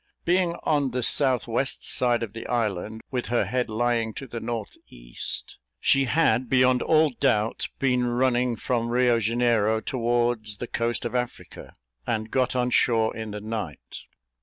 Being on the south west side of the island, with her head lying to the north east, she had, beyond all doubt, been running from Rio Janeiro towards the coast of Africa, and got on shore in the night.